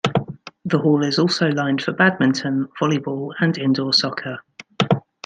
The hall is also lined for badminton, volleyball and indoor soccer.